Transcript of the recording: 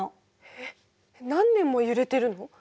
えっ何年も揺れてるの？